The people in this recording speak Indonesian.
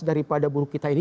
daripada buruh kita ini